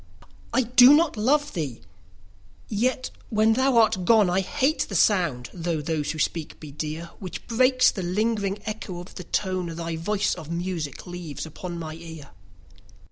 I do not love thee!—yet, when thou art gone, I hate the sound (though those who speak be dear) 10 Which breaks the lingering echo of the tone Thy voice of music leaves upon my ear.